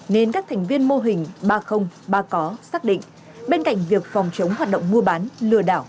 nên các thành viên mô hình ba ba có xác định bên cạnh việc phòng chống hoạt động mua bán lừa đảo